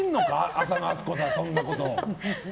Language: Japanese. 浅野温子さん、そんなこと。